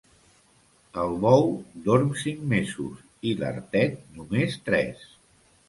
El bou dorm cinc mesos, i l'artet, només tres.